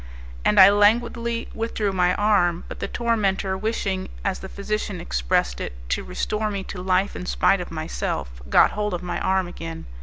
And I languidly withdrew my arm; but the tormentor wishing, as the physician expressed it, to restore me to life in spite of myself, got hold of my arm again.